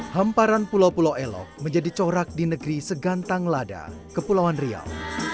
hamparan pulau pulau elok menjadi corak di negeri segantang lada kepulauan riau